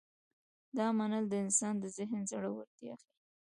دا منل د انسان د ذهن زړورتیا ښيي.